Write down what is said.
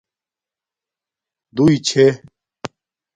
دݸئی چھݺ.